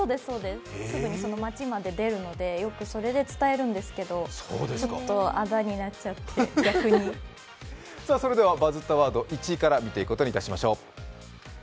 すぐにその町まで出るので、よくそれで伝えるんですけど、ちょっとあだになっちゃって、逆にそれではバズったワード、１位から見ていきましょう。